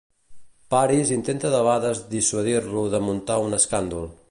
Paris intenta debades dissuadir-lo de muntar un escàndol.